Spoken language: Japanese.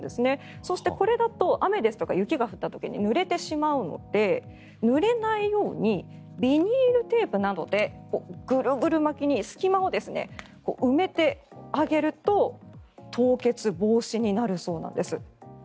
そして、これだと雨とか雪が降った時にぬれてしまうのでぬれないようにビニールテープなどでこうやってぐるぐる巻きに隙間を埋めてあげると凍結防止になるそうです。